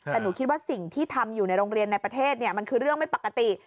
แต่หนูคิดว่าสิ่งที่ทำอยู่ในโรงเรียนในประเทศมันคือเรื่องไม่ปกติ